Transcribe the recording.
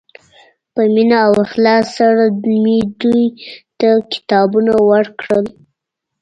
په مینه او اخلاص سره مې دوی ته کتابونه ورکړل.